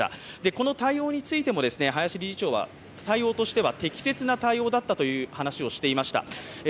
この対応についても、林理事長は対応としては適切な対応だったという話をしていました。